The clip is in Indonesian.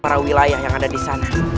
para wilayah yang ada disana